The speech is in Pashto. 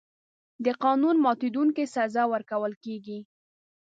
د قانون ماتونکي سزا ورکول کېږي.